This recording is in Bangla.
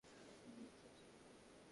এই, তুমি বিরক্ত হচ্ছ না তো?